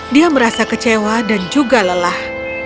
dia merasa kecewa dan juga lelah